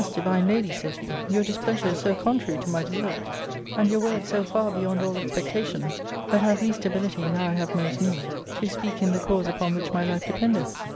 divine lady," said he, " your displeasure is so contrary to my desert, ARCADIA.— Book TIL 407 and your words so far beyond all expectations, that I have least ability now I have most need to speak in the cause upon which my life dependeth.